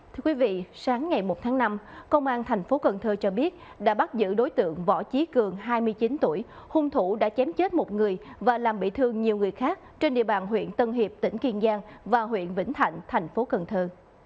thưa quý vị sáng ngày một tháng năm công an thành phố cần thơ cho biết đã bắt giữ đối tượng võ chí cường hai mươi chín tuổi hung thủ đã chém chết một người và làm bị thương nhiều người khác trên địa bàn huyện tân hiệp tỉnh kiên giang và huyện vĩnh thạnh thành phố cần thơ